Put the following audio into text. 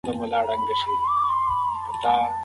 هغه وايي دا شخصي ټولګه نه وه.